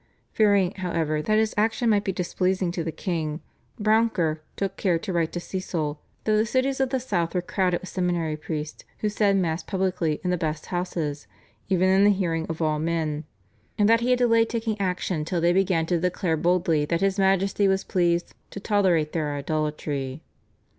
Fearing, however, that his action might be displeasing to the king, Brouncker took care to write to Cecil that the cities of the South were crowded with seminary priests who said Mass publicly in the best houses "even in the hearing of all men," and that he had delayed taking action till they began to declare boldly that his Majesty was pleased "to tolerate their idolatry."